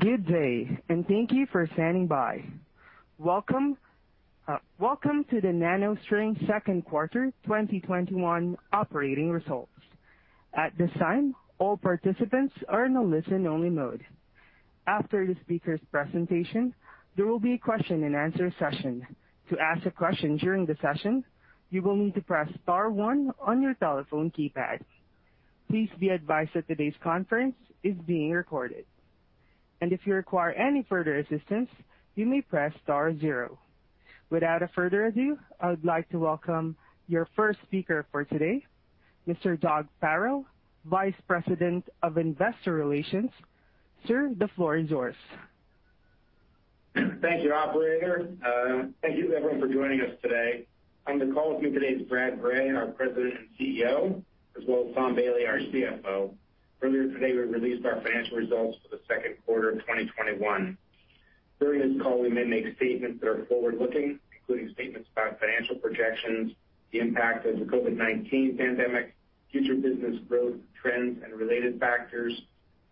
Good day, and thank you for standing by. Welcome to the NanoString second quarter 2021 operating results. At this time, all participants are in a listen-only mode. After the speaker's presentation, there will be a question and answer session. To ask a question during the session, you will need to press star one on your telephone keypad. Please be advised that today's conference is being recorded, and if you require any further assistance, you may press star zero. Without further ado, I would like to welcome your first speaker for today, Mr. Doug Farrell, Vice President of Investor Relations. Sir, the floor is yours. Thank you, operator. Thank you, everyone, for joining us today. On the call with me today is Brad Gray, our President and CEO, as well as Tom Bailey, our CFO. Earlier today, we released our financial results for the second quarter of 2021. During this call, we may make statements that are forward-looking, including statements about financial projections, the impact of the COVID-19 pandemic, future business growth trends and related factors,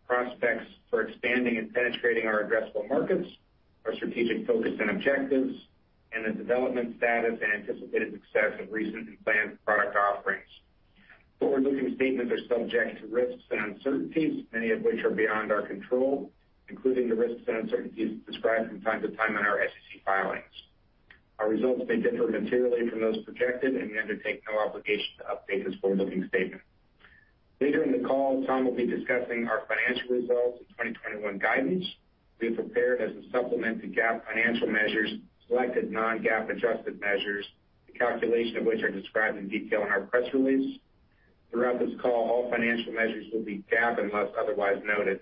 prospects for expanding and penetrating our addressable markets, our strategic focus and objectives, and the development status and anticipated success of recent and planned product offerings. Forward-looking statements are subject to risks and uncertainties, many of which are beyond our control, including the risks and uncertainties described from time to time in our SEC filings. Our results may differ materially from those projected. We undertake no obligation to update this forward-looking statement. Later in the call, Tom will be discussing our financial results and 2021 guidance. We have prepared, as a supplement to GAAP financial measures, selected non-GAAP adjusted measures, the calculation of which are described in detail in our press release. Throughout this call, all financial measures will be GAAP unless otherwise noted.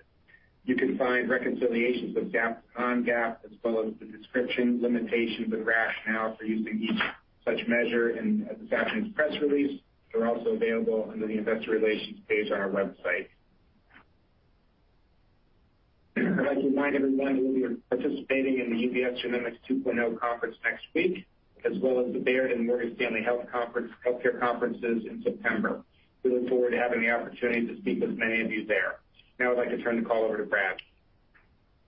You can find reconciliations of GAAP to non-GAAP, as well as the description, limitations, and rationale for using each such measure in this afternoon's press release. They're also available under the Investor Relations page on our website. I'd like to remind everyone that we are participating in the UBS Genomics 2.0 conference next week, as well as the Baird and Morgan Stanley Healthcare Conferences in September. We look forward to having the opportunity to speak with many of you there. Now I'd like to turn the call over to Brad.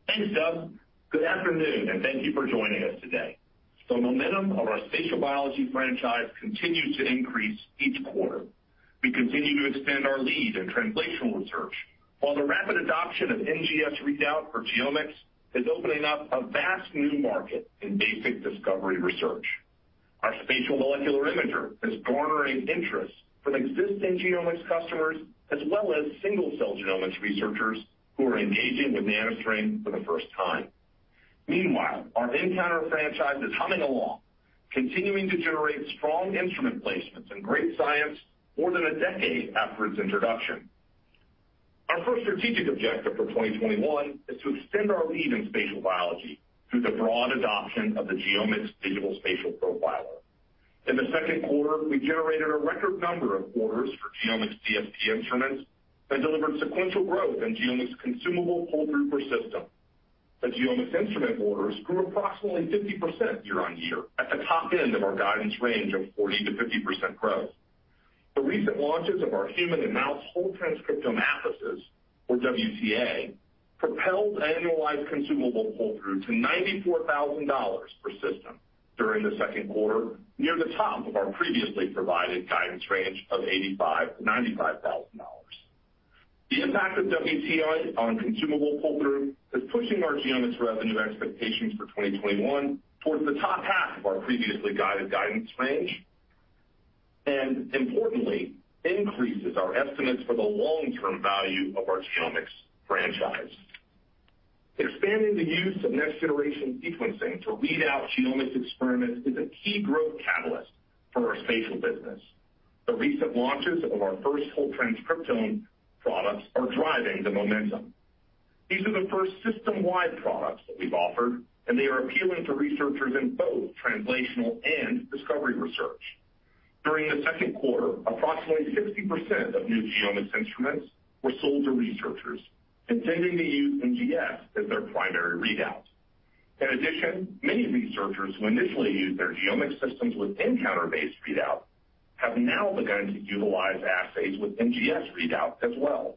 Thanks, Doug. Good afternoon, and thank you for joining us today. The momentum of our spatial biology franchise continues to increase each quarter. We continue to extend our lead in translational research, while the rapid adoption of NGS readout for genomics is opening up a vast new market in basic discovery research. Our spatial molecular imager is garnering interest from existing genomics customers, as well as single-cell genomics researchers who are engaging with NanoString for the first time. Meanwhile, our nCounter franchise is humming along, continuing to generate strong instrument placements and great science more than a decade after its introduction. Our first strategic objective for 2021 is to extend our lead in spatial biology through the broad adoption of the GeoMx Digital Spatial Profiler. In the second quarter, we generated a record number of orders for GeoMx DSP instruments and delivered sequential growth in GeoMx consumable pull-through per system. The GeoMx instrument orders grew approximately 50% year-over-year, at the top end of our guidance range of 40%-50% growth. The recent launches of our human and mouse Whole Transcriptome Atlases, or WTA, propelled annualized consumable pull-through to $94,000 per system during the second quarter, near the top of our previously provided guidance range of $85,000-$95,000. The impact of WTA on consumable pull-through is pushing our GeoMx revenue expectations for 2021 towards the top half of our previously guided guidance range, and importantly, increases our estimates for the long-term value of our GeoMx franchise. Expanding the use of next-generation sequencing to read out GeoMx experiments is a key growth catalyst for our spatial business. The recent launches of our first Whole Transcriptome Atlas products are driving the momentum. These are the first system-wide products that we've offered, and they are appealing to researchers in both translational and discovery research. During the second quarter, approximately 60% of new GeoMx instruments were sold to researchers intending to use NGS as their primary readout. In addition, many researchers who initially used their GeoMx systems with nCounter-based readout have now begun to utilize assays with NGS readout as well.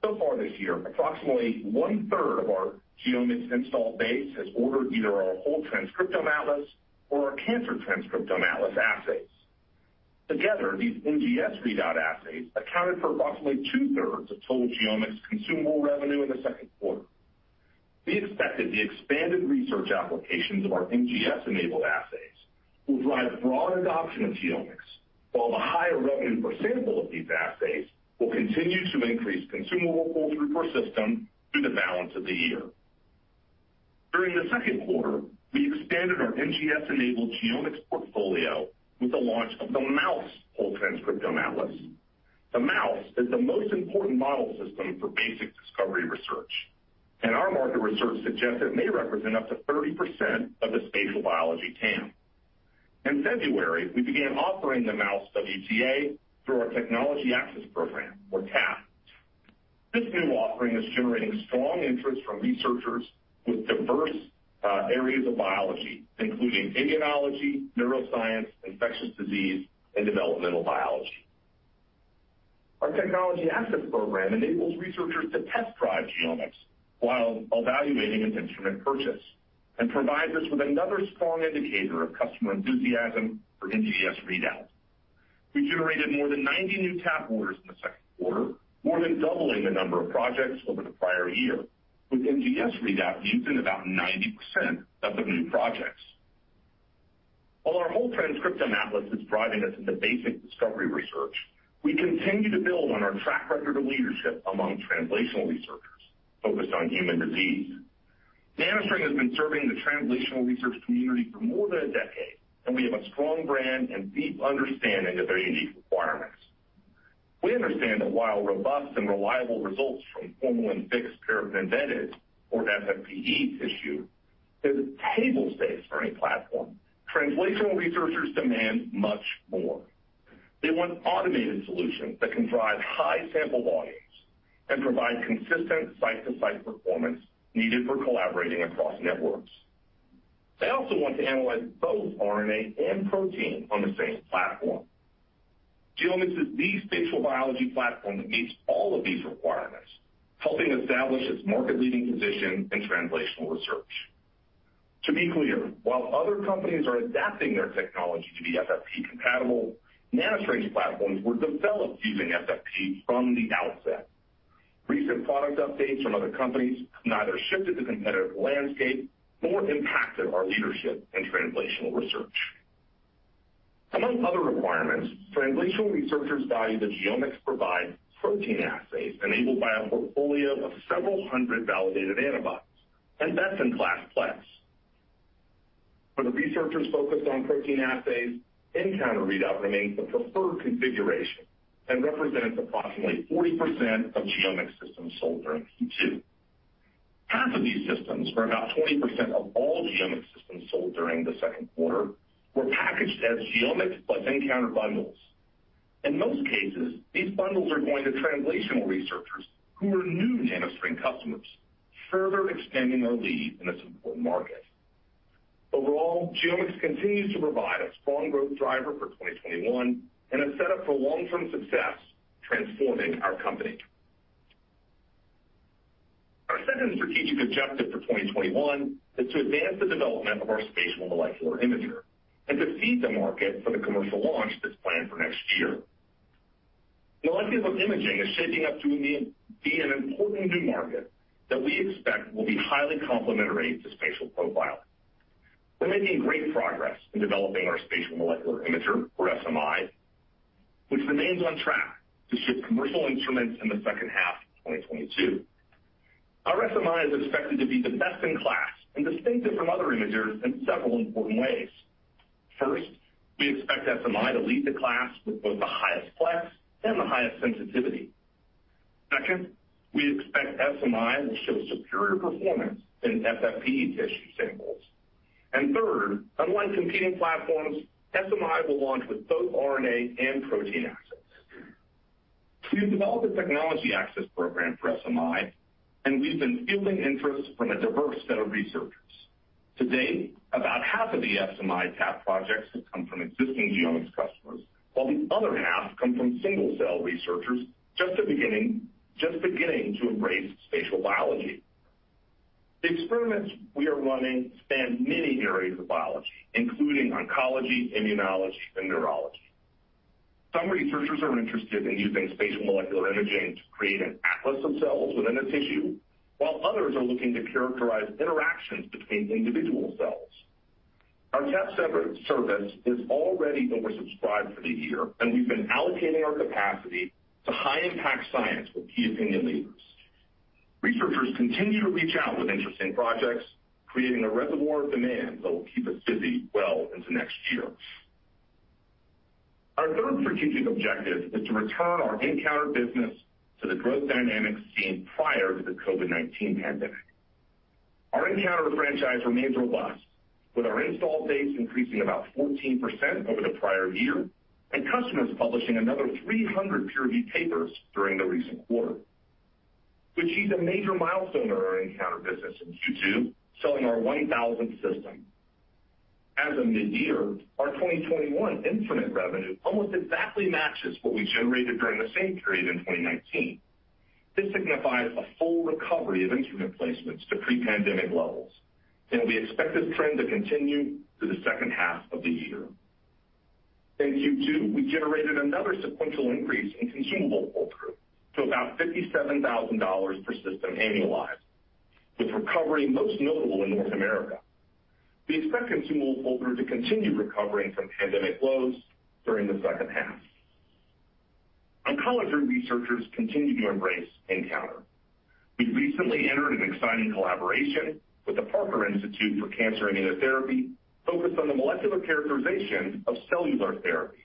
Far this year, approximately 1/3 of our GeoMx install base has ordered either our Whole Transcriptome Atlas or our Cancer Transcriptome Atlas assays. Together, these NGS readout assays accounted for approximately 2/3 of total GeoMx consumable revenue in the second quarter. We expect that the expanded research applications of our NGS-enabled assays will drive broad adoption of GeoMx, while the higher revenue per sample of these assays will continue to increase consumable pull-through per system through the balance of the year. During the second quarter, we expanded our NGS-enabled GeoMx portfolio with the launch of the Mouse Whole Transcriptome Atlas. The mouse is the most important model system for basic discovery research, and our market research suggests it may represent up to 30% of the spatial biology TAM. In February, we began offering the Mouse WTA through our Technology Access Program, or TAP. This new offering is generating strong interest from researchers with diverse areas of biology, including immunology, neuroscience, infectious disease, and developmental biology. Our Technology Access Program enables researchers to test drive GeoMx while evaluating an instrument purchase and provides us with another strong indicator of customer enthusiasm for NGS readout. We generated more than 90 new TAP orders in the second quarter, more than doubling the number of projects over the prior year, with NGS readout used in about 90% of the new projects. While our Whole Transcriptome Atlas is driving us into basic discovery research, we continue to build on our track record of leadership among translational researchers focused on human disease. NanoString has been serving the translational research community for more than a decade, and we have a strong brand and deep understanding of their unique requirements. We understand that while robust and reliable results from formalin-fixed paraffin-embedded, or FFPE, tissue is a table stakes for any platform, translational researchers demand much more. They want automated solutions that can drive high sample volumes and provide consistent site-to-site performance needed for collaborating across networks. They also want to analyze both RNA and protein on the same platform. GeoMx is the spatial biology platform that meets all of these requirements, helping establish its market-leading position in translational research. To be clear, while other companies are adapting their technology to be FFPE compatible, NanoString's platforms were developed using FFPE from the outset. Recent product updates from other companies have neither shifted the competitive landscape nor impacted our leadership in translational research. Among other requirements, translational researchers value that GeoMx provides protein assays enabled by a portfolio of several hundred validated antibodies and best-in-class plex. For the researchers focused on protein assays, nCounter readout remains the preferred configuration and represents approximately 40% of GeoMx systems sold during Q2. Half of these systems, or about 20% of all GeoMx systems sold during the second quarter, were packaged as GeoMx plus nCounter bundles. In most cases, these bundles are going to translational researchers who are new NanoString customers, further extending our lead in this important market. Overall, GeoMx continues to provide a strong growth driver for 2021 and a setup for long-term success transforming our company. Our second strategic objective for 2021 is to advance the development of our spatial molecular imager and to feed the market for the commercial launch that's planned for next year. The market of imaging is shaping up to be an important new market that we expect will be highly complementary to spatial profiling. We're making great progress in developing our spatial molecular imager, or SMI, which remains on track to ship commercial instruments in the second half of 2022. Our SMI is expected to be the best in class and distinct from other imagers in several important ways. First, we expect SMI to lead the class with both the highest plex and the highest sensitivity. Second, we expect SMI will show superior performance in FFPE tissue samples. Third, unlike competing platforms, SMI will launch with both RNA and protein assays. We've developed a Technology Access Program for SMI, and we've been fielding interest from a diverse set of researchers. To date, about half of the SMI TAP projects have come from existing GeoMx customers, while the other half come from single-cell researchers just beginning to embrace spatial biology. The experiments we are running span many areas of biology, including oncology, immunology, and neurology. Some researchers are interested in using spatial molecular imaging to create an atlas of cells within a tissue, while others are looking to characterize interactions between individual cells. Our TAP service is already oversubscribed for the year, and we've been allocating our capacity to high-impact science with key opinion leaders. Researchers continue to reach out with interesting projects, creating a reservoir of demand that will keep us busy well into next year. Our third strategic objective is to return our nCounter business to the growth dynamics seen prior to the COVID-19 pandemic. Our nCounter franchise remains robust, with our install base increasing about 14% over the prior year and customers publishing another 300 peer-reviewed papers during the recent quarter. We achieved a major milestone in our nCounter business in Q2, selling our 1,000th system. As of mid-year, our 2021 instrument revenue almost exactly matches what we generated during the same period in 2019. This signifies a full recovery of instrument placements to pre-pandemic levels, and we expect this trend to continue through the second half of the year. In Q2, we generated another sequential increase in consumable pull-through to about $57,000 per system annualized, with recovery most notable in North America. We expect consumable pull-through to continue recovering from pandemic lows during the second half. Oncology researchers continue to embrace nCounter. We recently entered an exciting collaboration with the Parker Institute for Cancer Immunotherapy focused on the molecular characterization of cellular therapies.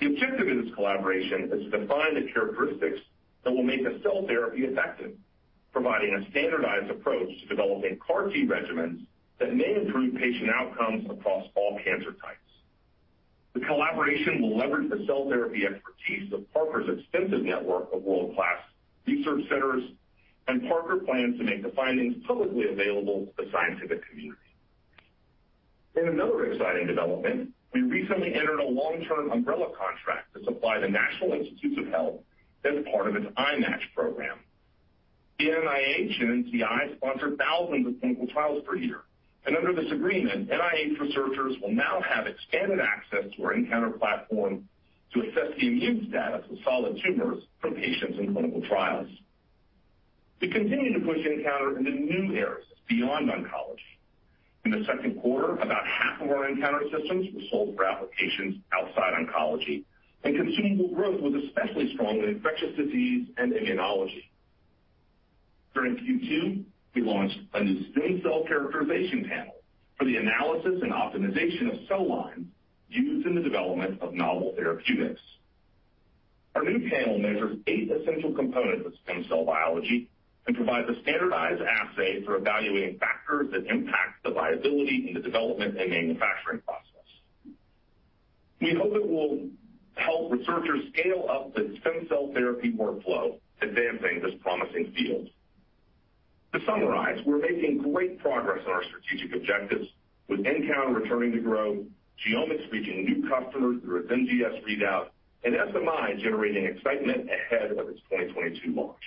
The objective of this collaboration is to define the characteristics that will make a cell therapy effective, providing a standardized approach to developing CAR-T regimens that may improve patient outcomes across all cancer types. The collaboration will leverage the cell therapy expertise of Parker's extensive network of world-class research centers, and Parker plans to make the findings publicly available to the scientific community. In another exciting development, we recently entered a long-term umbrella contract to supply the National Institutes of Health as part of its IMaCH program. The NIH and NCI sponsor thousands of clinical trials per year. Under this agreement, NIH researchers will now have expanded access to our nCounter platform to assess the immune status of solid tumors from patients in clinical trials. We continue to push nCounter into new areas beyond oncology. In the second quarter, about half of our nCounter systems were sold for applications outside oncology, and consumable growth was especially strong in infectious disease and immunology. During Q2, we launched a new Stem Cell Characterization Panel for the analysis and optimization of cell lines used in the development of novel therapeutics. Our new panel measures eight essential components of stem cell biology and provides a standardized assay for evaluating factors that impact the viability in the development and manufacturing process. We hope it will help researchers scale up the stem cell therapy workflow, advancing this promising field. To summarize, we're making great progress on our strategic objectives, with nCounter returning to growth, GeoMx reaching new customers through its NGS readout, and SMI generating excitement ahead of its 2022 launch.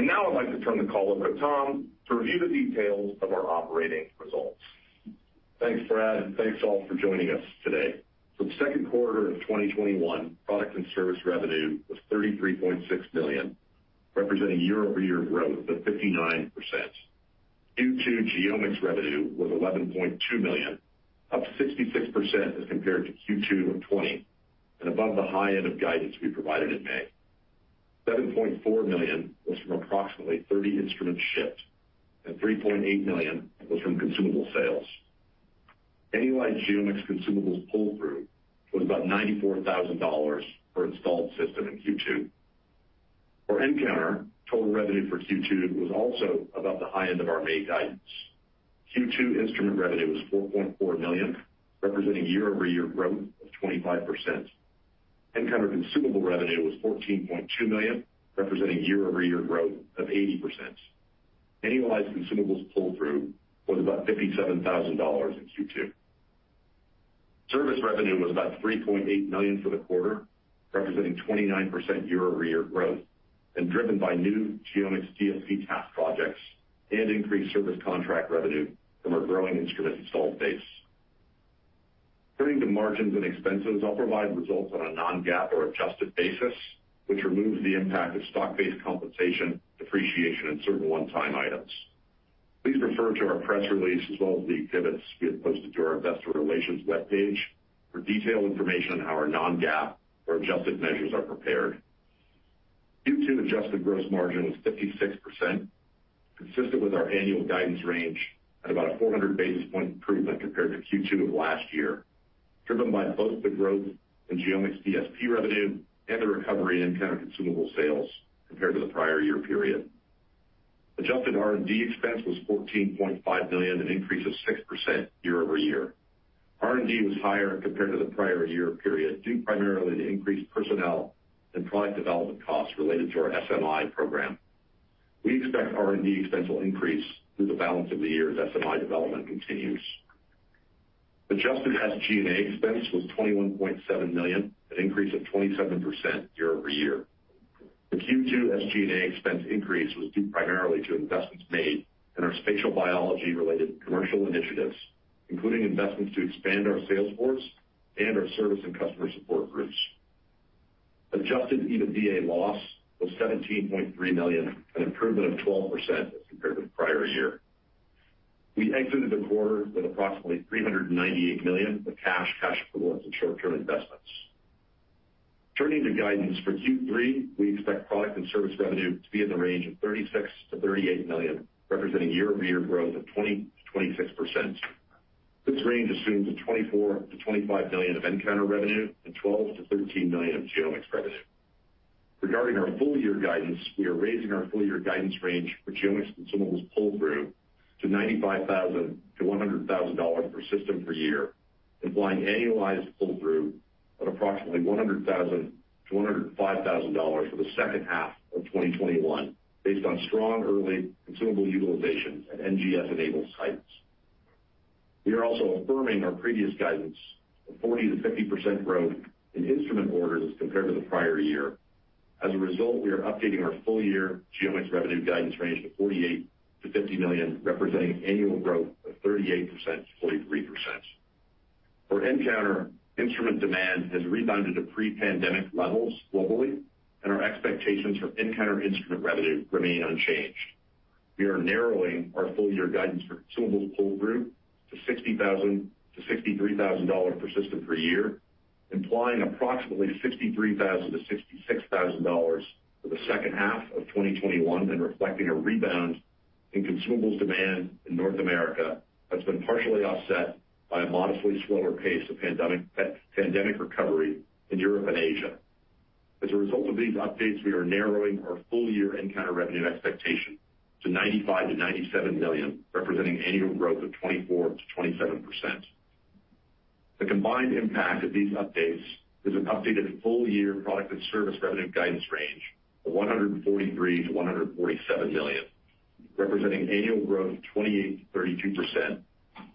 Now I'd like to turn the call over to Tom to review the details of our operating results. Thanks, Brad, and thanks, all, for joining us today. For the second quarter of 2021, product and service revenue was $33.6 million, representing year-over-year growth of 59%. Q2 GeoMx revenue was $11.2 million, up 66% as compared to Q2 of 2020, and above the high end of guidance we provided in May. $7.4 million was from approximately 30 instruments shipped, and $3.8 million was from consumable sales. Annualized GeoMx consumables pull-through was about $94,000 per installed system in Q2. For nCounter, total revenue for Q2 was also above the high end of our May guidance. Q2 instrument revenue was $4.4 million, representing year-over-year growth of 25%. nCounter consumable revenue was $14.2 million, representing year-over-year growth of 80%. Annualized consumables pull-through was about $57,000 in Q2. Service revenue was about $3.8 million for the quarter, representing 29% year-over-year growth, and driven by new GeoMx DSP TAP projects and increased service contract revenue from our growing instrument installed base. Turning to margins and expenses, I'll provide results on a non-GAAP or adjusted basis, which removes the impact of stock-based compensation, depreciation, and certain one-time items. Please refer to our press release as well as the exhibits we have posted to our investor relations webpage for detailed information on how our non-GAAP or adjusted measures are prepared. Q2 adjusted gross margin was 56%, consistent with our annual guidance range at about a 400-basis point improvement compared to Q2 of last year, driven by both the growth in GeoMx DSP revenue and the recovery in nCounter consumable sales compared to the prior year period. Adjusted R&D expense was $14.5 million, an increase of 6% year-over-year. R&D was higher compared to the prior year period, due primarily to increased personnel and product development costs related to our SMI program. We expect R&D expense will increase through the balance of the year as SMI development continues. Adjusted SG&A expense was $21.7 million, an increase of 27% year-over-year. The Q2 SG&A expense increase was due primarily to investments made in our spatial biology-related commercial initiatives, including investments to expand our sales force and our service and customer support groups. Adjusted EBITDA loss was $17.3 million, an improvement of 12% as compared to the prior year. We exited the quarter with approximately $398 million of cash equivalents, and short-term investments. Turning to guidance for Q3, we expect product and service revenue to be in the range of $36 million-$38 million, representing year-over-year growth of 20%-26%. This range assumes a $24 million-$25 million of nCounter revenue and $12 million-$13 million of Genomics revenue. Regarding our full year guidance, we are raising our full year guidance range for Genomics consumables pull-through to $95,000-$100,000 per system per year, implying annualized pull-through of approximately $100,000-$105,000 for the second half of 2021, based on strong early consumable utilization at NGS-enabled sites. We are also affirming our previous guidance of 40%-50% growth in instrument orders as compared to the prior year. As a result, we are updating our full year Genomics revenue guidance range to $48 million-$50 million, representing annual growth of 38%-43%. For nCounter, instrument demand has rebounded to pre-pandemic levels globally, and our expectations for nCounter instrument revenue remain unchanged. We are narrowing our full-year guidance for consumables pull-through to $60,000-$63,000 per system per year, implying approximately $63,000-$66,000 for the second half of 2021 and reflecting a rebound in consumables demand in North America that's been partially offset by a modestly slower pace of pandemic recovery in Europe and Asia. As a result of these updates, we are narrowing our full-year nCounter revenue expectation to $95 million-$97 million, representing annual growth of 24%-27%. The combined impact of these updates is an updated full-year product and service revenue guidance range of $143 million-$147 million, representing annual growth of 28%-32%,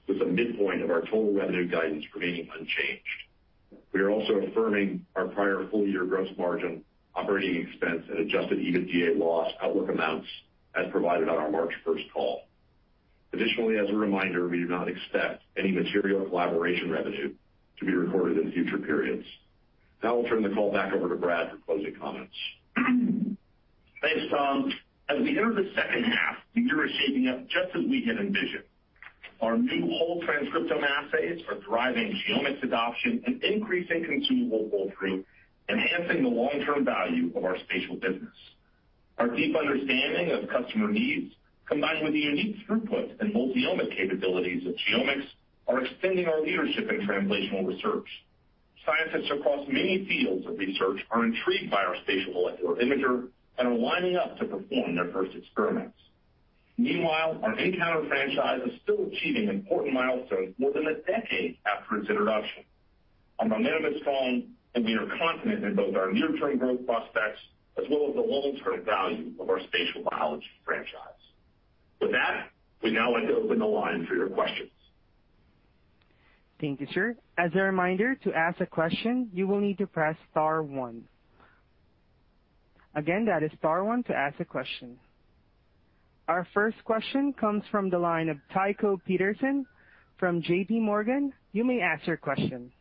with the midpoint of our total revenue guidance remaining unchanged. We are also affirming our prior full-year gross margin, operating expense, and adjusted EBITDA loss outlook amounts as provided on our March 1st call. Additionally, as a reminder, we do not expect any material collaboration revenue to be recorded in future periods. Now I'll turn the call back over to Brad for closing comments. Thanks, Tom. As we enter the second half, things are shaping up just as we had envisioned. Our new whole transcriptome assays are driving GeoMx adoption and increasing consumable pull-through, enhancing the long-term value of our spatial business. Our deep understanding of customer needs, combined with the unique throughput and multi-omics capabilities of GeoMx, are extending our leadership in translational research. Scientists across many fields of research are intrigued by our Spatial Molecular Imager and are lining up to perform their first experiments. Meanwhile, our nCounter franchise is still achieving important milestones more than a decade after its introduction. Our momentum is strong. We are confident in both our near-term growth prospects, as well as the long-term value of our spatial biology franchise. With that, we now like to open the line for your questions. Thank you, sir. As a reminder, to ask a question, you will need to press star one. Again, that is star one to ask a question. Our first question comes from the line of Tycho Peterson from JPMorgan. You may ask your question.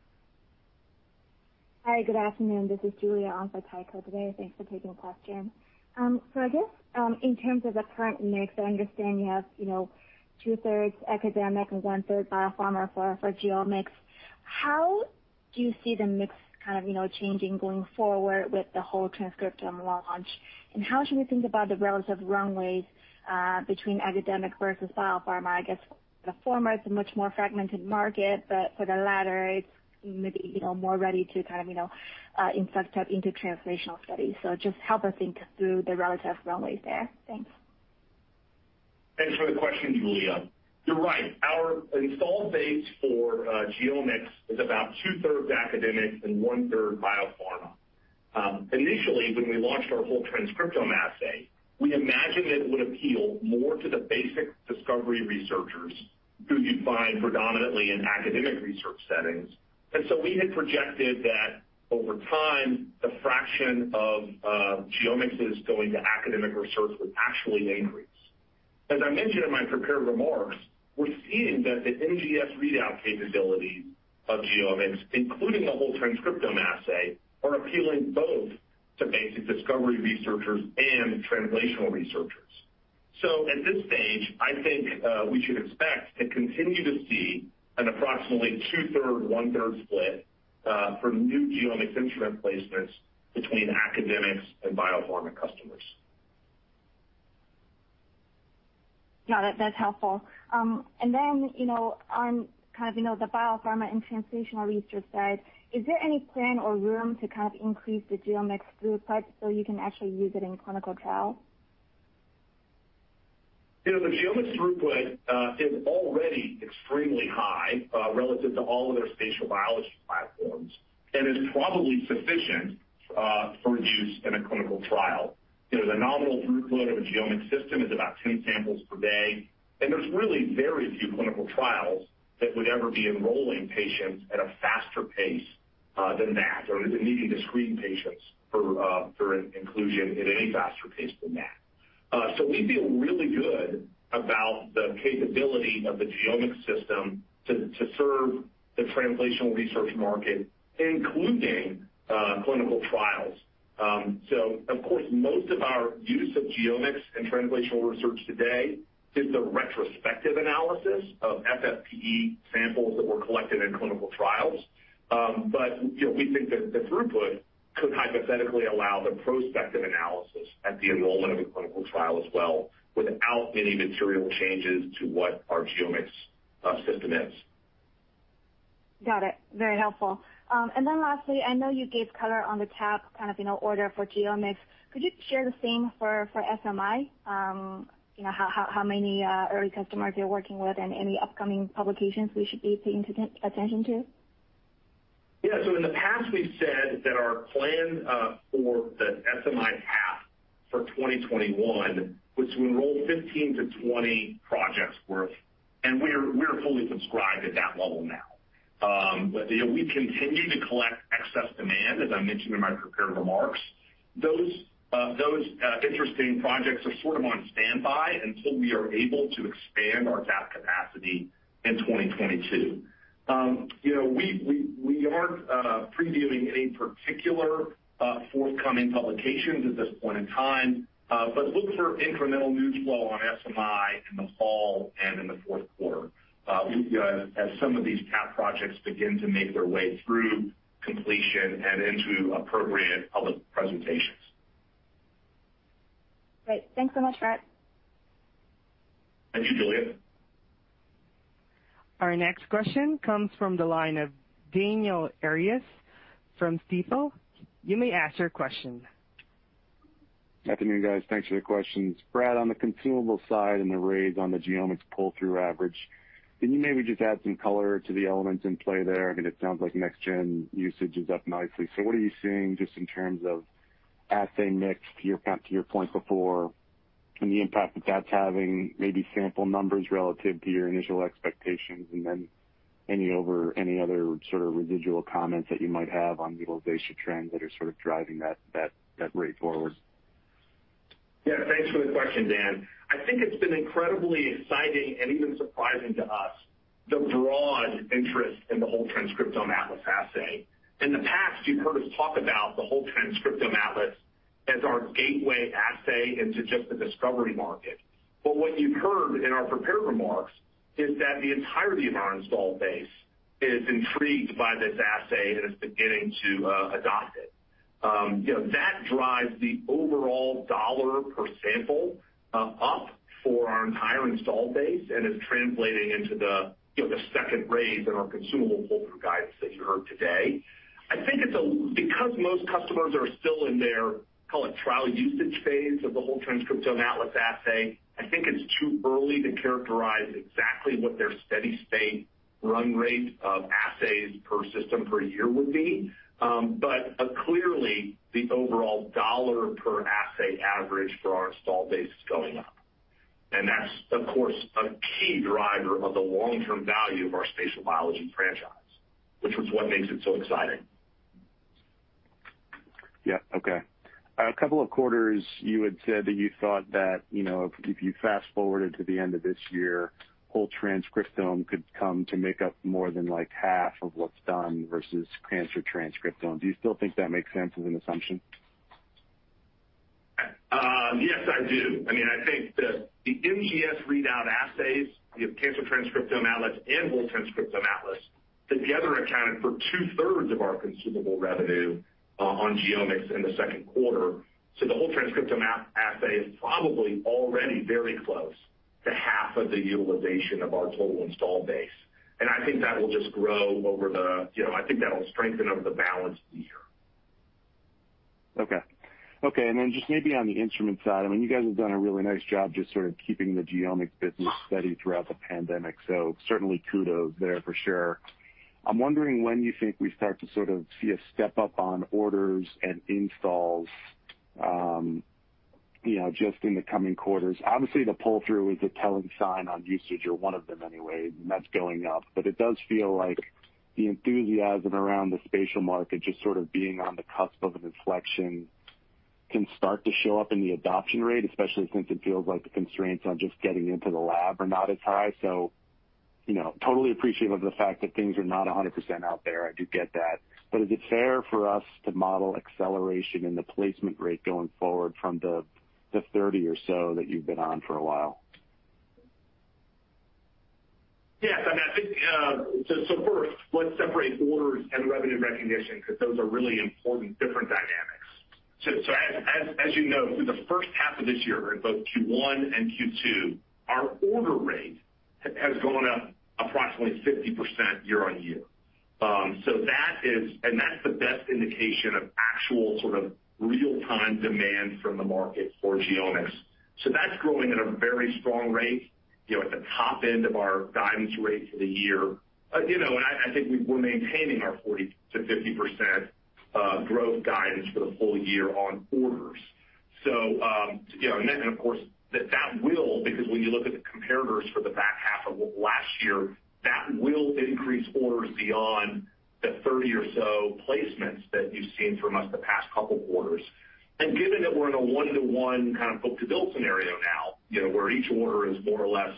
Hi, good afternoon. This is Julia on for Tycho today. Thanks for taking the question. I guess, in terms of the current mix, I understand you have 2/3 academic and 1/3 biopharma for GeoMx. How do you see the mix changing going forward with the Whole Transcriptome Atlas launch, and how should we think about the relative runways between academic versus biopharma? I guess the former is a much more fragmented market, but for the latter, it's maybe more ready to inflect up into translational studies. Just help us think through the relative runways there. Thanks. Thanks for the question, Julia. You're right, our installed base for GeoMx is about two-thirds academic and one-third biopharma. Initially, when we launched our Whole Transcriptome Atlas, we imagined it would appeal more to the basic discovery researchers who you'd find predominantly in academic research settings. We had projected that over time, the fraction of GeoMx's going to academic research would actually increase. As I mentioned in my prepared remarks, we're seeing that the NGS readout capabilities of GeoMx, including the Whole Transcriptome Atlas, are appealing both to basic discovery researchers and translational researchers. At this stage, I think we should expect to continue to see an approximately two-third, one-third split for new GeoMx instrument placements between academics and biopharma customers. No, that's helpful. On the biopharma and translational research side, is there any plan or room to increase the GeoMx throughput so you can actually use it in clinical trials? The GeoMx throughput is already extremely high relative to all other spatial biology platforms and is probably sufficient for use in a clinical trial. The nominal throughput of a GeoMx system is about 10 samples per day, and there's really very few clinical trials that would ever be enrolling patients at a faster pace than that, or needing to screen patients for inclusion at any faster pace than that. We feel really good about the capability of the GeoMx system to serve the translational research market, including clinical trials. Of course, most of our use of GeoMx in translational research today is the retrospective analysis of FFPE samples that were collected in clinical trials. We think that the throughput could hypothetically allow the prospective analysis at the enrollment of a clinical trial as well, without any material changes to what our GeoMx system is. Got it. Very helpful. Lastly, I know you gave color on the TAP order for GeoMx. Could you share the same for SMI? How many early customers you're working with, and any upcoming publications we should be paying attention to? Yeah. In the past, we've said that our plan for the SMI TAP for 2021 was to enroll 15-20 projects worth, and we're fully subscribed at that level now. We continue to collect excess demand, as I mentioned in my prepared remarks. Those interesting projects are sort of on standby until we are able to expand our TAP capacity in 2022. We aren't previewing any particular forthcoming publications at this point in time, but look for incremental news flow on SMI in the fall and in the fourth quarter, as some of these TAP projects begin to make their way through completion and into appropriate public presentations. Great. Thanks so much, Brad. Thank you, Julia. Our next question comes from the line of Daniel Arias from Stifel. You may ask your question. Good afternoon, guys. Thanks for the questions. Brad, on the consumable side and the raise on the GeoMx pull-through average, can you maybe just add some color to the elements in play there? It sounds like next-gen usage is up nicely. What are you seeing just in terms of assay mix, back to your point before, and the impact that that's having, maybe sample numbers relative to your initial expectations, and then any other sort of residual comments that you might have on utilization trends that are sort of driving that rate forward? Thanks for the question, Dan. I think it's been incredibly exciting and even surprising to us the broad interest in the Whole Transcriptome Atlas assay. In the past, you've heard us talk about the Whole Transcriptome Atlas as our gateway assay into just the discovery market. What you've heard in our prepared remarks is that the entirety of our installed base is intrigued by this assay and is beginning to adopt it. That drives the overall dollar per sample up for our entire installed base and is translating into the second raise in our consumable pull-through guidance that you heard today. I think because most customers are still in their, call it, trial usage phase of the Whole Transcriptome Atlas assay, I think it's too early to characterize exactly what their steady state run rate of assays per system per year would be. Clearly, the overall dollar per assay average for our installed base is going up. That's, of course, a key driver of the long-term value of our spatial biology franchise, which is what makes it so exciting. Yeah. Okay. A couple of quarters, you had said that you thought that if you fast-forwarded to the end of this year, Whole Transcriptome could come to make up more than half of what's done versus Cancer Transcriptome. Do you still think that makes sense as an assumption? Yes, I do. I think the NGS readout assays, the Cancer Transcriptome Atlas and Whole Transcriptome Atlas, together accounted for 2/3 of our consumable revenue on GeoMx in the second quarter. The Whole Transcriptome Atlas assay is probably already very close to half of the utilization of our total installed base. I think that will strengthen over the balance of the year. Okay. Just maybe on the instrument side, you guys have done a really nice job just sort of keeping the GeoMx business steady throughout the pandemic. Certainly kudos there for sure. I'm wondering when you think we start to sort of see a step-up on orders and installs just in the coming quarters. Obviously, the pull-through is a telling sign on usage or one of them anyway, and that's going up. It does feel like the enthusiasm around the spatial market just sort of being on the cusp of an inflection can start to show up in the adoption rate, especially since it feels like the constraints on just getting into the lab are not as high. Totally appreciative of the fact that things are not 100% out there, I do get that. Is it fair for us to model acceleration in the placement rate going forward from the 30 or so that you've been on for a while? Yes. First, let's separate orders and revenue recognition, because those are really important different dynamics. As you know, through the first half of this year, in both Q1 and Q2, our order rate has gone up approximately 50% year-over-year. That's the best indication of actual sort of real-time demand from the market for GeoMx. That's growing at a very strong rate, at the top end of our guidance rate for the year. I think we're maintaining our 40%-50% growth guidance for the full year on orders. Of course, because when you look at the comparators for the back half of last year, that will increase orders beyond the 30 or so placements that you've seen from us the past couple of quarters. Given that we're in a one-to-one kind of book-to-bill scenario now, where each order is more or less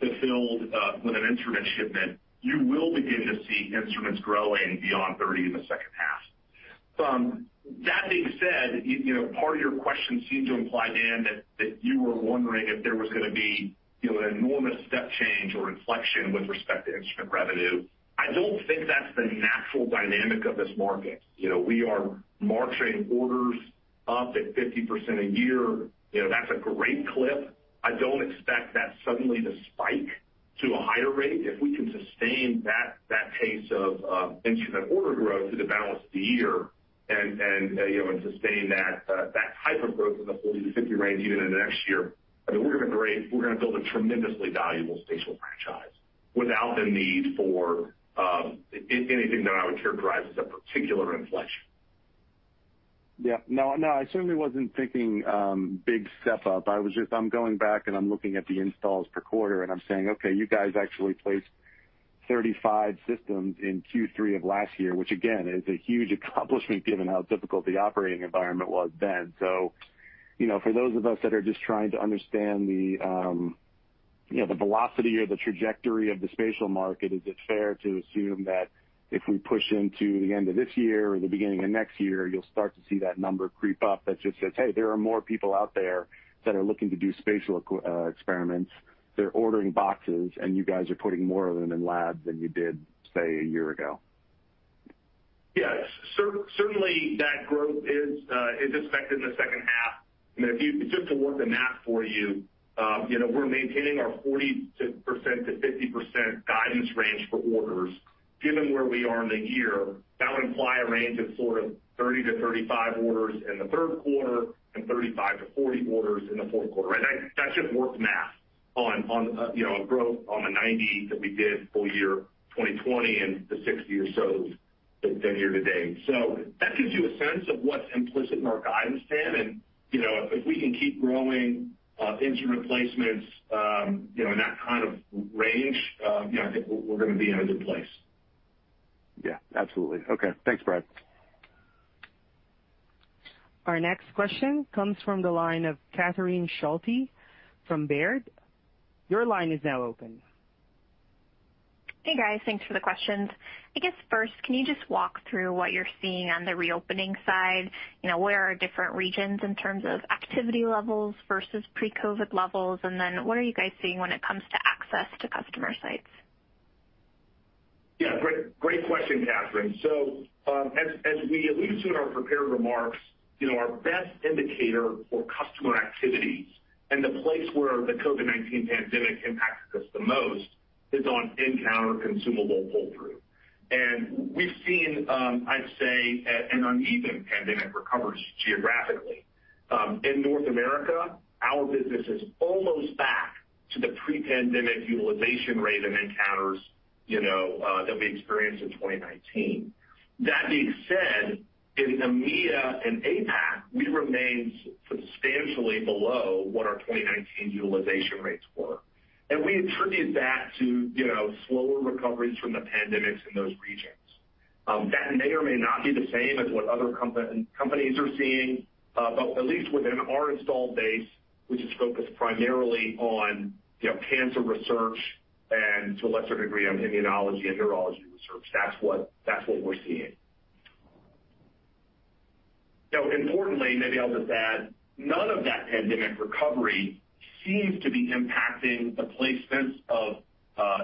fulfilled with an instrument shipment, you will begin to see instruments growing beyond 30 in the second half. That being said, part of your question seemed to imply, Dan, that you were wondering if there was going to be an enormous step change or inflection with respect to instrument revenue. I don't think that's the natural dynamic of this market. We are marching orders up at 50% a year. That's a great clip. I don't expect that suddenly to spike to a higher rate. If we can sustain that pace of instrument order growth through the balance of the year and sustain that type of growth in the 40%-50% range even into next year, we're going to build a tremendously valuable spatial franchise without the need for anything that I would characterize as a particular inflection. Yeah. No, I certainly wasn't thinking big step-up. I'm going back and I'm looking at the installs per quarter and I'm saying, "Okay, you guys actually placed 35 systems in Q3 of last year," which again, is a huge accomplishment given how difficult the operating environment was then. For those of us that are just trying to understand the velocity or the trajectory of the spatial market, is it fair to assume that if we push into the end of this year or the beginning of next year, you'll start to see that number creep up that just says, "Hey, there are more people out there that are looking to do spatial experiments. They're ordering boxes, and you guys are putting more of them in labs than you did, say, a year ago. Yes. Certainly, that growth is expected in the second half. Just to work the math for you, we're maintaining our 40%-50% guidance range for orders. Given where we are in the year, that would imply a range of 30-35 orders in the third quarter and 35-40 orders in the fourth quarter. That's just worked math on growth on the 90 that we did full year 2020 and the 60 or so year to date. That gives you a sense of what's implicit in our guidance, Dan, and if we can keep growing instrument replacements in that kind of range, I think we're going to be in a good place. Yeah, absolutely. Okay. Thanks, Brad. Our next question comes from the line of Catherine Schulte from Baird. Hey, guys. Thanks for the questions. I guess first, can you just walk through what you're seeing on the reopening side? Where are different regions in terms of activity levels versus pre-COVID levels, and then what are you guys seeing when it comes to access to customer sites? Yeah, great question, Catherine. As we alluded to in our prepared remarks, our best indicator for customer activities and the place where the COVID-19 pandemic impacts us the most is on nCounter consumable pull-through. We've seen, I'd say an uneven pandemic recovery geographically. In North America, our business is almost back to the pre-pandemic utilization rate of nCounters that we experienced in 2019. That being said, in EMEA and APAC, we remain substantially below what our 2019 utilization rates were. We attribute that to slower recoveries from the pandemic in those regions. That may or may not be the same as what other companies are seeing, but at least within our installed base, which is focused primarily on cancer research and to a lesser degree on immunology and neurology research, that's what we're seeing. Importantly, maybe I'll just add, none of that pandemic recovery seems to be impacting the placements of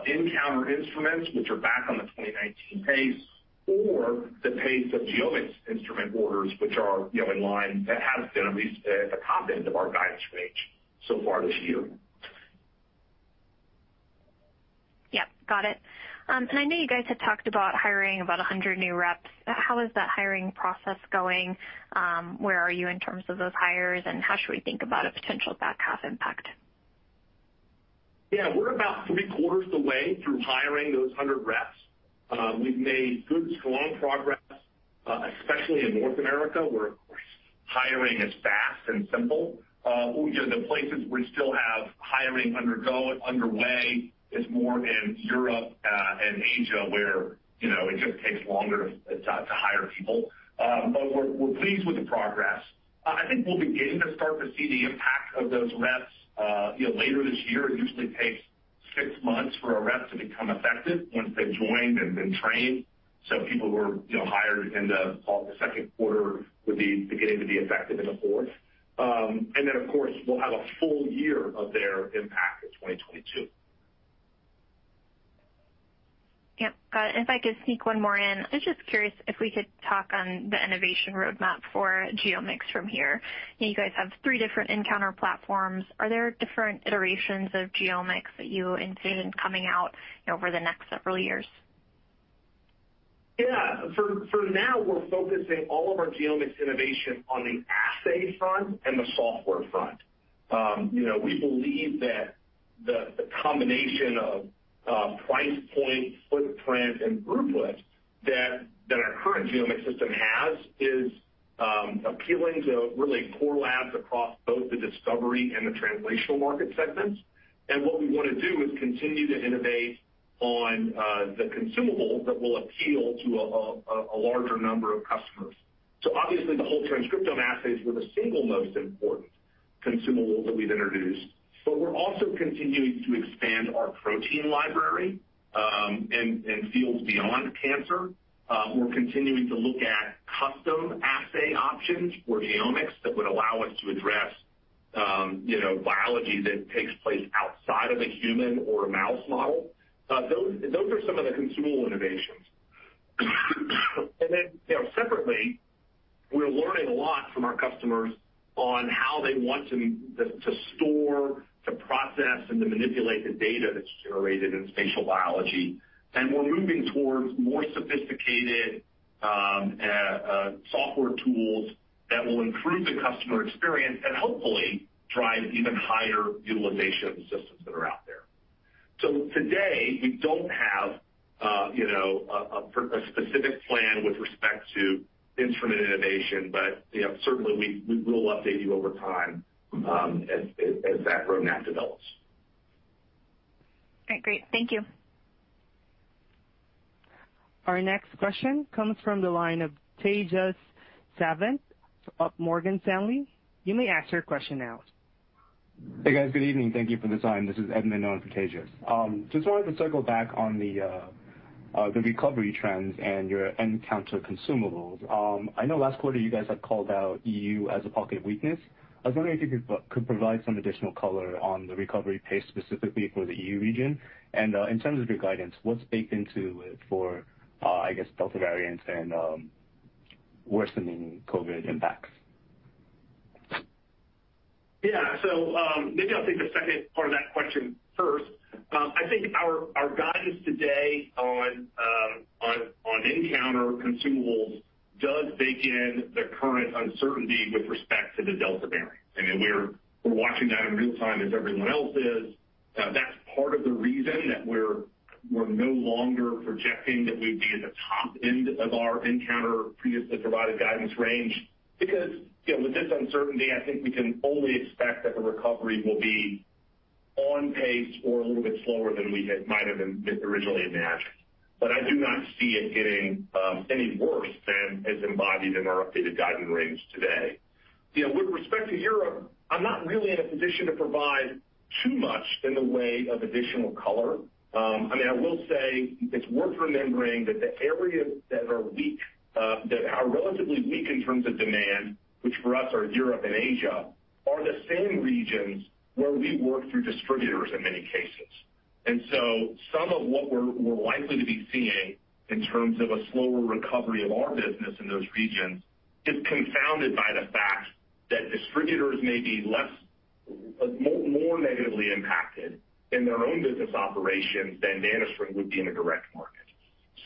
nCounter instruments, which are back on the 2019 pace, or the pace of GeoMx instrument orders, which are in line, that have been at least at the top end of our guidance range so far this year. Yep. Got it. I know you guys had talked about hiring about 100 new reps. How is that hiring process going? Where are you in terms of those hires, and how should we think about a potential back half impact? Yeah. We're about three-quarters of the way through hiring those 100 reps. We've made good, strong progress, especially in North America, where hiring is fast and simple. The places we still have hiring underway is more in Europe and Asia, where it just takes longer to hire people. We're pleased with the progress. I think we're beginning to start to see the impact of those reps later this year. It usually takes six months for a rep to become effective once they've joined and been trained. People who are hired in the second quarter would be beginning to be effective in the fourth. Of course, we'll have a full year of their impact in 2022. Yep. Got it. If I could sneak one more in, I was just curious if we could talk on the innovation roadmap for GeoMx from here. You guys have three different nCounter platforms. Are there different iterations of GeoMx that you envision coming out over the next several years? Yeah. For now, we're focusing all of our GeoMx innovation on the assay front and the software front. We believe that the combination of price point, footprint, and throughput that our current GeoMx system has is appealing to really core labs across both the discovery and the translational market segments. What we want to do is continue to innovate on the consumables that will appeal to a larger number of customers. Obviously, the Whole Transcriptome Atlas were the single most important consumable that we've introduced. We're also continuing to expand our protein library in fields beyond cancer. We're continuing to look at custom assay options for GeoMx that would allow us to address biology that takes place outside of a human or a mouse model. Those are some of the consumable innovations. Then separately, we're learning a lot from our customers on how they want to store, to process, and to manipulate the data that's generated in spatial biology. We're moving towards more sophisticated software tools that will improve the customer experience and hopefully drive even higher utilization of the systems that are out there. Today, we don't have a specific plan with respect to instrument innovation, but certainly, we will update you over time as that roadmap develops. All right, great. Thank you. Our next question comes from the line of Tejas Savant of Morgan Stanley. You may ask your question now. Hey, guys. Good evening. Thank you for the time. This is Edmund in for Tejas. Just wanted to circle back on the recovery trends and your nCounter consumables. I know last quarter you guys had called out EU as a pocket of weakness. I was wondering if you could provide some additional color on the recovery pace specifically for the EU region. In terms of your guidance, what's baked into it for, I guess, Delta variants and worsening COVID impacts? Maybe I'll take the second part of that question first. I think our guidance today on nCounter consumables does bake in the current uncertainty with respect to the Delta variant. I mean, we're watching that in real-time as everyone else is. That's part of the reason that we're no longer projecting that we'd be at the top end of our nCounter previously provided guidance range. With this uncertainty, I think we can only expect that the recovery will be on pace or a little bit slower than we might have originally imagined. I do not see it getting any worse than is embodied in our updated guidance range today. With respect to Europe, I'm not really in a position to provide too much in the way of additional color. I mean, I will say it's worth remembering that the areas that are relatively weak in terms of demand, which for us are Europe and Asia, are the same regions where we work through distributors in many cases. Some of what we're likely to be seeing in terms of a slower recovery of our business in those regions is confounded by the fact that distributors may be more negatively impacted in their own business operations than NanoString would be in a direct market.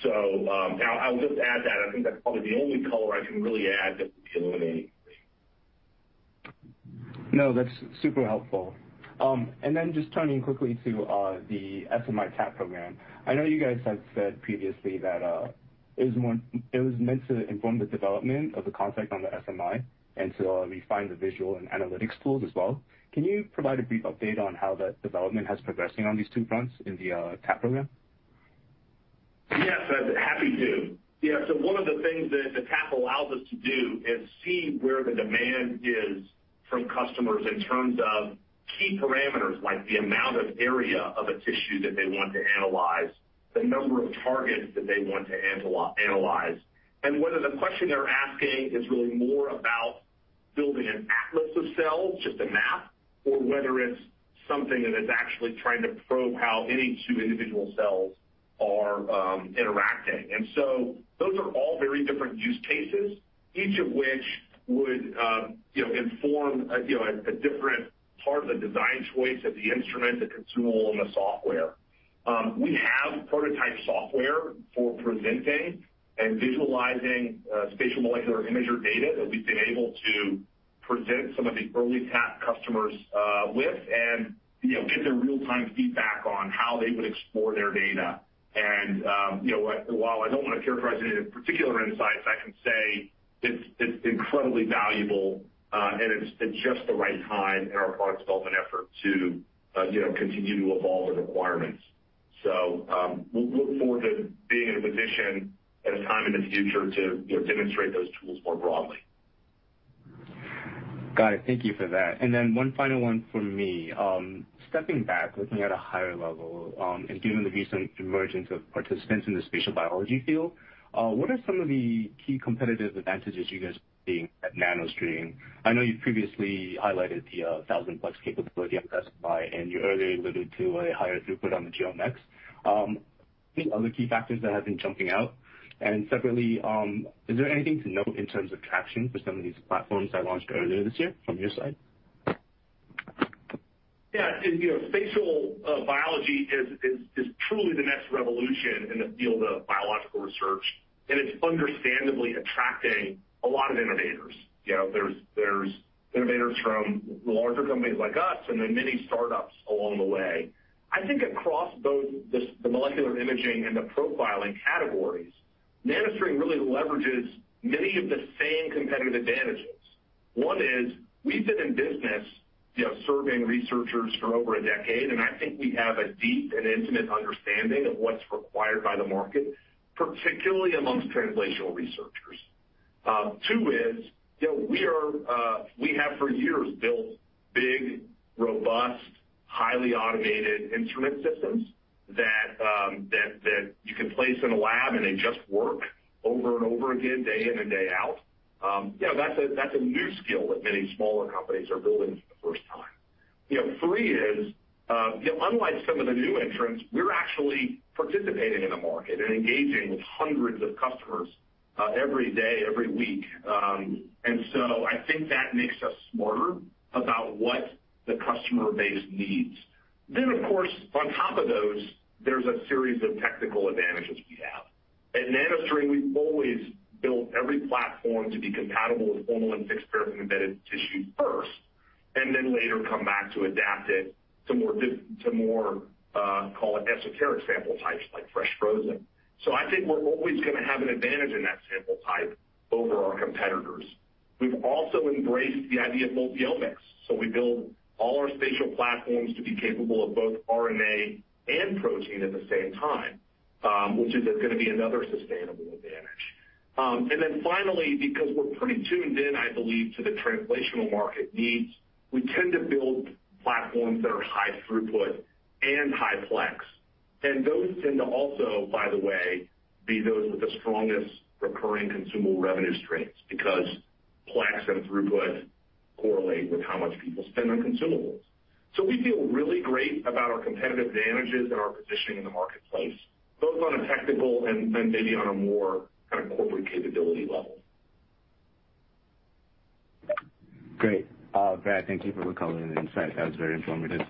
I'll just add that, I think that's probably the only color I can really add that would be illuminating for you. No, that's super helpful. Just turning quickly to the SMI TAP Program. I know you guys have said previously that it was meant to inform the development of the content on the SMI and to refine the visual and analytics tools as well. Can you provide a brief update on how that development has progressing on these two fronts in the TAP Program? Happy to. One of the things that the TAP allows us to do is see where the demand is from customers in terms of key parameters, like the amount of area of a tissue that they want to analyze, the number of targets that they want to analyze, and whether the question they're asking is really more about building an atlas of cells, just a map, or whether it's something that is actually trying to probe how any two individual cells are interacting. Those are all very different use cases, each of which would inform a different part of the design choice of the instrument, the consumable, and the software. We have prototype software for presenting and visualizing Spatial Molecular Imager data that we've been able to present some of the early TAP customers with and get their real-time feedback on how they would explore their data. While I don't want to characterize any particular insights, I can say it's incredibly valuable, and it's at just the right time in our product development effort to continue to evolve the requirements. We'll look forward to being in a position at a time in the future to demonstrate those tools more broadly. Got it. Thank you for that. Then one final one from me. Stepping back, looking at a higher level, and given the recent emergence of participants in the spatial biology field, what are some of the key competitive advantages you guys see at NanoString? I know you previously highlighted the 1,000-plex capability on the SMI, and you earlier alluded to a higher throughput on the GeoMx. Any other key factors that have been jumping out? Separately, is there anything to note in terms of traction for some of these platforms that launched earlier this year from your side? Yeah. Spatial biology is truly the next revolution in the field of biological research, and it's understandably attracting a lot of innovators. There's innovators from larger companies like us and then many startups along the way. I think across both the molecular imaging and the profiling categories, NanoString really leverages many of the same competitive advantages. One is we've been in business serving researchers for over a decade, and I think we have a deep and intimate understanding of what's required by the market, particularly amongst translational researchers. Two is we have for years built big, robust, highly automated instrument systems that you can place in a lab, and they just work over and over again, day in and day out. That's a new skill that many smaller companies are building for the first time. Three is, unlike some of the new entrants, we're actually participating in the market and engaging with hundreds of customers every day, every week. I think that makes us smarter about what the customer base needs. Of course, on top of those, there's a series of technical advantages we have. At NanoString, we've always built every platform to be compatible with formalin-fixed paraffin-embedded tissue first, and then later come back to adapt it to more, call it esoteric sample types like fresh frozen. I think we're always going to have an advantage in that sample type over our competitors. We've also embraced the idea of multi-omics, so we build all our spatial platforms to be capable of both RNA and protein at the same time, which is going to be another sustainable advantage. Finally, because we're pretty tuned in, I believe, to the translational market needs, we tend to build platforms that are high throughput and high plex. Those tend to also, by the way, be those with the strongest recurring consumable revenue streams because plex and throughput correlate with how much people spend on consumables. We feel really great about our competitive advantages and our positioning in the marketplace, both on a technical and maybe on a more kind of corporate capability level. Great. Brad, thank you for the color and insight. That was very informative.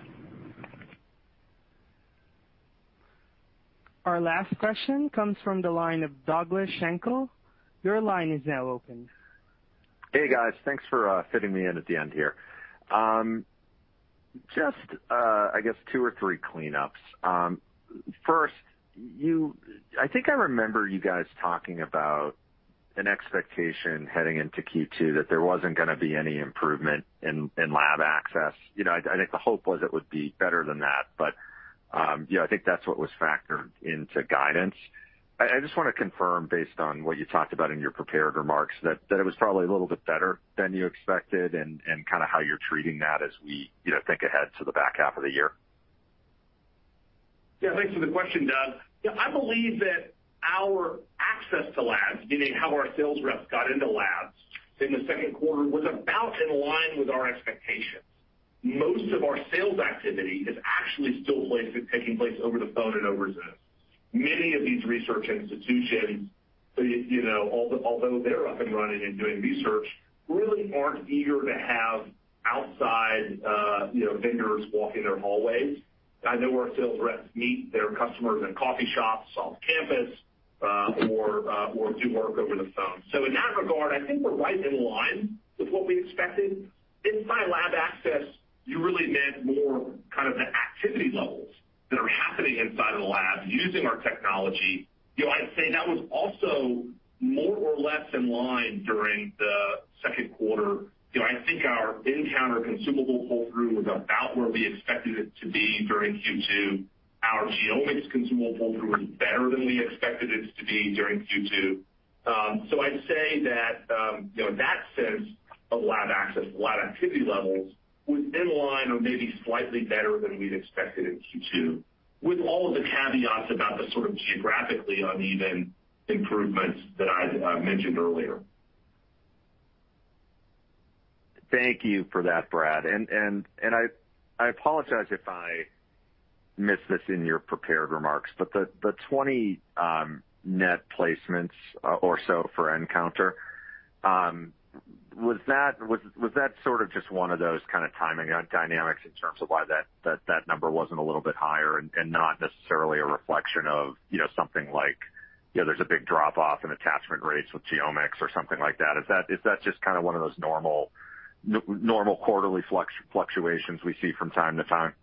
Our last question comes from the line of Doug Schenkel. Your line is now open. Hey, guys. Thanks for fitting me in at the end here. Just, I guess two or three cleanups. First, I think I remember you guys talking about an expectation heading into Q2 that there wasn't going to be any improvement in lab access. I think the hope was it would be better than that. I think that's what was factored into guidance. I just want to confirm, based on what you talked about in your prepared remarks, that it was probably a little bit better than you expected and kind of how you're treating that as we think ahead to the back half of the year. Yeah, thanks for the question, Doug. I believe that our access to labs, meaning how our sales reps got into labs in the second quarter, was about in line with our expectations. Most of our sales activity is actually still taking place over the phone and over Zoom. Many of these research institutions, although they're up and running and doing research, really aren't eager to have outside vendors walk in their hallways. I know our sales reps meet their customers at coffee shops off-campus or do work over the phone. In that regard, I think we're right in line with what we expected. Inside lab access, you really meant more kind of the activity levels that are happening inside of the lab using our technology. I'd say that was also more or less in line during the second quarter. I think our nCounter consumable pull-through was about where we expected it to be during Q2. Our GeoMx consumable pull-through was better than we expected it to be during Q2. I'd say that, in that sense of lab access, lab activity levels, was in line or maybe slightly better than we'd expected in Q2, with all of the caveats about the sort of geographically uneven improvements that I mentioned earlier. Thank you for that, Brad. I apologize if I missed this in your prepared remarks, but the 20 net placements or so for nCounter, was that sort of just one of those kind of timing dynamics in terms of why that number wasn't a little bit higher and not necessarily a reflection of something like there's a big drop-off in attachment rates with GeoMx or something like that? Is that just kind of one of those normal quarterly fluctuations we see from time to time?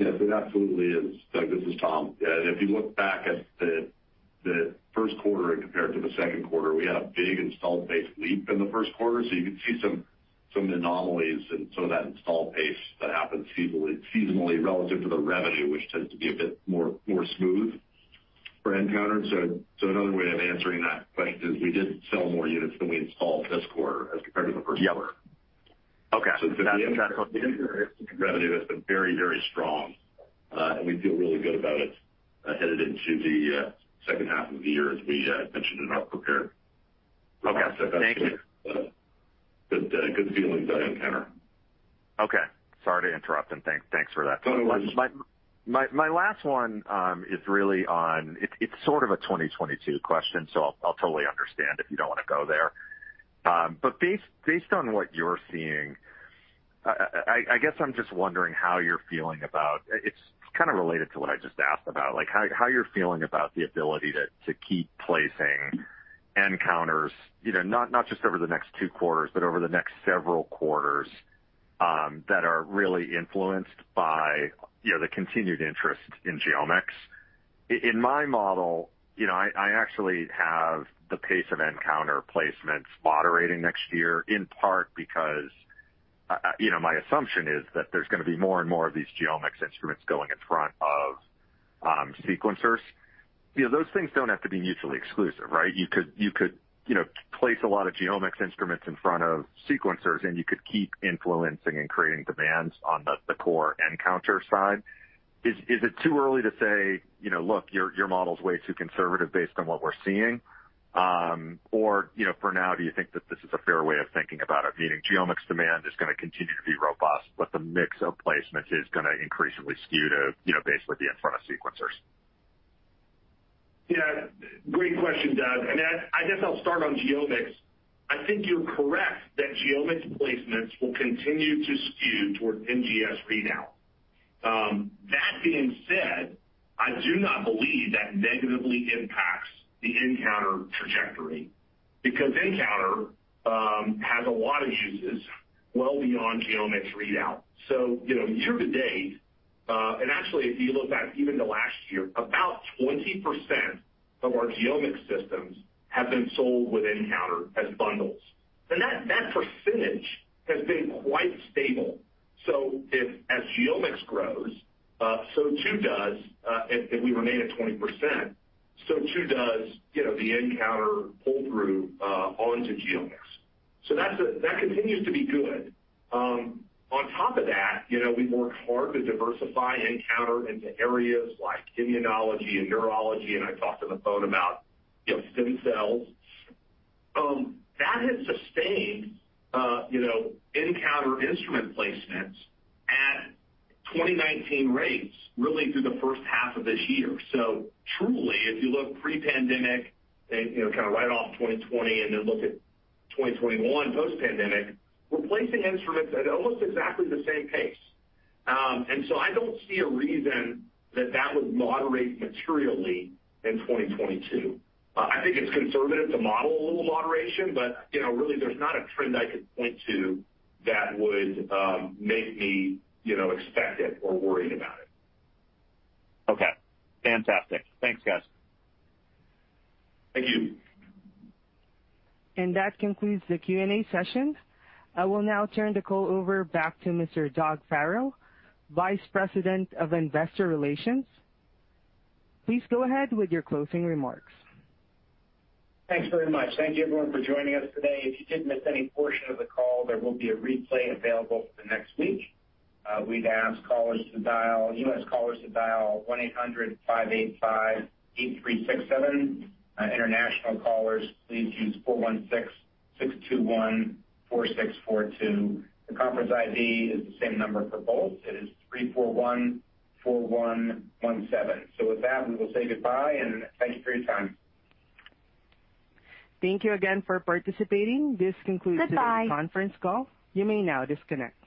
Yes, it absolutely is. Doug, this is Tom. If you look back at the first quarter and compare it to the second quarter, we had a big installed base leap in the first quarter. You could see some anomalies in some of that install base that happens seasonally relative to the revenue, which tends to be a bit more smooth for nCounter. Another way of answering that question is we did sell more units than we installed this quarter as compared to the first quarter. Yep. Okay. The nCounter revenue has been very, very strong, and we feel really good about it headed into the second half of the year, as we mentioned in our prepared remarks. Okay. Thank you. That's a good feeling with nCounter. Okay. Sorry to interrupt, and thanks for that. No, no. My last one is really on, it is sort of a 2022 question, so I will totally understand if you do not want to go there. Based on what you are seeing, I guess I am just wondering how you are feeling about, it is kind of related to what I just asked about, how you are feeling about the ability to keep placing nCounters not just over the next two quarters, but over the next several quarters that are really influenced by the continued interest in GeoMx. In my model, I actually have the pace of nCounter placements moderating next year, in part because my assumption is that there is going to be more and more of these GeoMx instruments going in front of sequencers. Those things do not have to be mutually exclusive, right? You could place a lot of GeoMx instruments in front of sequencers, and you could keep influencing and creating demands on the core nCounter side. Is it too early to say, look, your model's way too conservative based on what we're seeing? For now, do you think that this is a fair way of thinking about it, meaning GeoMx demand is going to continue to be robust, but the mix of placements is going to increasingly skew to basically being in front of sequencers? Yeah. Great question, Doug. I guess I'll start on GeoMx. I think you're correct that GeoMx placements will continue to skew towards NGS readout. That being said, I do not believe that negatively impacts the nCounter trajectory because nCounter has a lot of uses well beyond GeoMx readout. Year to date, and actually if you look back even to last year, about 20% of our GeoMx systems have been sold with nCounter as bundles. That percentage has been quite stable. As GeoMx grows, if we remain at 20%, so too does the nCounter pull-through onto GeoMx. That continues to be good. On top of that, we've worked hard to diversify nCounter into areas like immunology and neurology, and I talked on the phone about stem cells. That has sustained nCounter instrument placements at 2019 rates really through the first half of this year. Truly, if you look pre-pandemic, kind of write off 2020, and then look at 2021 post-pandemic, we're placing instruments at almost exactly the same pace. I don't see a reason that that would moderate materially in 2022. I think it's conservative to model a little moderation, but really, there's not a trend I could point to that would make me expect it or worry about it. Fantastic. Thanks, guys. Thank you. That concludes the Q&A session. I will now turn the call over back to Mr. Doug Farrell, Vice President of Investor Relations. Please go ahead with your closing remarks. Thanks very much. Thank you, everyone, for joining us today. If you did miss any portion of the call, there will be a replay available for the next week. We'd ask U.S. callers to dial 1-800-585-8367. International callers, please use 416-621-4642. The conference ID is the same number for both. It is 3414117. With that, we'll say goodbye, and thank you for your time. Thank you again for participating. Goodbye Today's conference call. You may now disconnect.